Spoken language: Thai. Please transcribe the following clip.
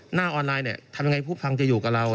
หน้าออนไลน์เนี่ยทำยังไงผู้พังจะอยู่กับเรา